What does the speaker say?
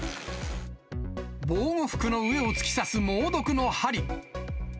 防護服の上を突き刺す猛毒の針。